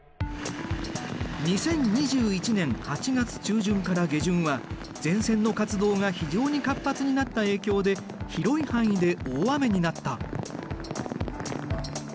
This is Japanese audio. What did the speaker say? ２０２１年８月中旬から下旬は前線の活動が非常に活発になった影響で広い範囲で大雨になった。